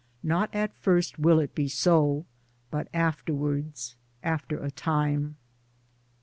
Not at first will it be so, but afterwards, after a time.